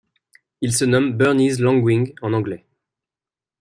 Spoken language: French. Il se nomme Burney's Longwing en anglais.